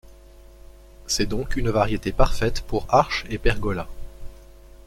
C'est donc une variété parfaite pour arches et pergolas.